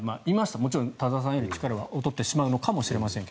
もちろん田澤さんより力は劣ってしまうのかもしれませんが。